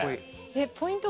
えっポイント